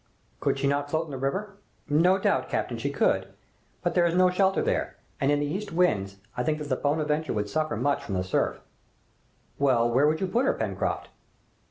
"Could she not float in the river?" "No doubt, captain, she could; but there is no shelter there, and in the east winds, I think that the 'Bonadventure' would suffer much from the surf." "Well, where would you put her, Pencroft?"